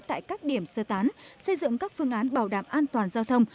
tại các điểm sơ tán xây dựng các phương án bảo đảm an toàn giao thông